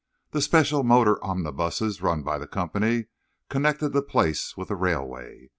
The special motor omnibuses run by the Company, connected the place with the railway.